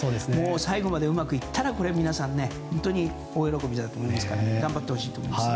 最後までうまくいったら皆さん大喜びだと思いますから頑張ってほしいと思います。